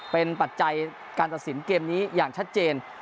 เป็นปัจจัยการตัดสินเกมนี้อย่างชัดเจน